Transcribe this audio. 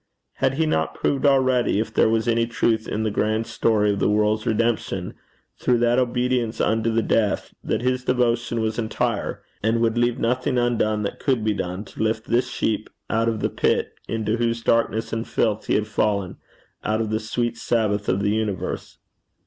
Had He not proved already, if there was any truth in the grand story of the world's redemption through that obedience unto the death, that his devotion was entire, and would leave nothing undone that could be done to lift this sheep out of the pit into whose darkness and filth he had fallen out of the sweet Sabbath of the universe?